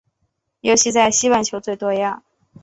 尤其在西半球最多样。